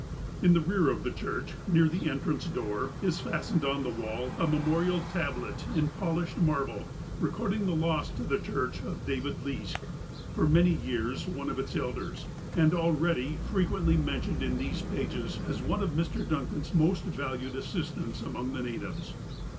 In the rear of the church, near the entrance door, is fastened on the wall a memorial tablet in polished mar ble, recording the loss to the church of David Leask, for many years one of its elders, and already frequently men THE "CHRISTIAN CHURCH" 365 tioned in these pages as one of Mr. Duncan's most valued assistants among the natives.